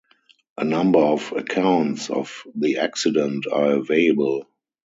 A number of accounts of the accident are available.